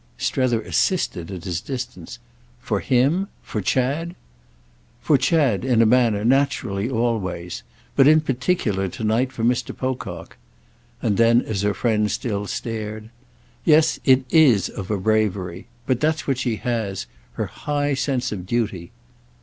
Strether assisted at his distance. "'For him'? For Chad—?" "For Chad, in a manner, naturally, always. But in particular to night for Mr. Pocock." And then as her friend still stared: "Yes, it is of a bravery! But that's what she has: her high sense of duty."